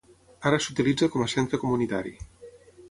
Ara s'utilitza com a centre comunitari.